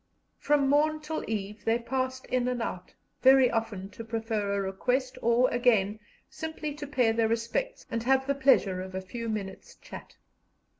From morn till eve they passed in and out, very often to proffer a request, or, again, simply to pay their respects and have the pleasure of a few minutes' chat.